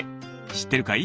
しってるかい？